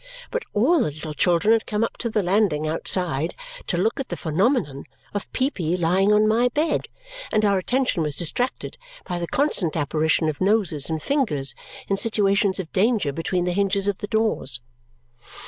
But all the little children had come up to the landing outside to look at the phenomenon of Peepy lying on my bed, and our attention was distracted by the constant apparition of noses and fingers in situations of danger between the hinges of the doors.